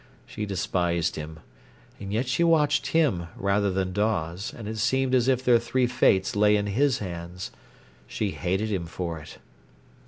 She despised him. And yet she watched him rather than Dawes, and it seemed as if their three fates lay in his hands. She hated him for it.